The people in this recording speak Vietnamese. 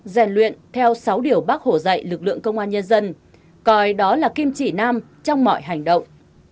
rèn luyện theo sáu điều bác hồ dạy lực lượng công an nhân dân coi đó là kim chỉ nam trong mọi hành động